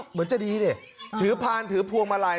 เหมือนจะดีดิถือพานถือพวงมาลัย